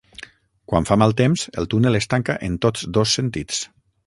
Quan fa mal temps el túnel es tanca en tots dos sentits.